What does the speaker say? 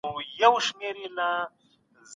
ايا انلاين کورسونه انعطاف منونکی مهالوېش وړاندې کوي؟